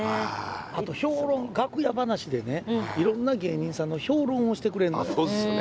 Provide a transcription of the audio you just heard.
あと評論、楽屋話でね、いろんな芸人さんの評論をしてくれるんですよ。